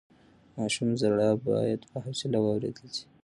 د ماشوم ژړا بايد په حوصله واورېدل شي.